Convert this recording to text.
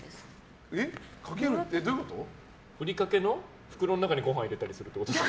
ふりかけの袋の中にご飯入れたりするってこと？